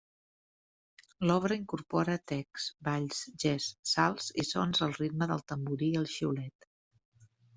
L'obra incorpora text, balls, gests, salts i sons al ritme del tamborí i el xiulet.